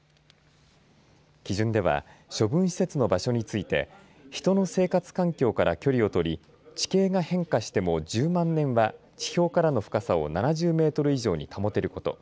基準では処分施設の場所について人の生活環境から距離を取り地形が変化しても１０万年は地表からの深さを７０メートル以上に保てること